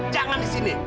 jangan di sini